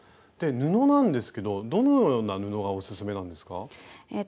布なんですけどどのような布がオススメなんですか？